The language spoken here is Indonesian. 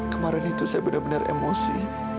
kemarin itu saya benar benar emosi